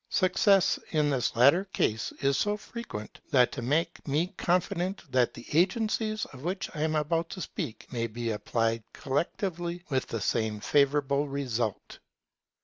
Success in this latter case is so frequent, as to make me confident that the agencies of which I am about to speak may be applied collectively with the same favourable result.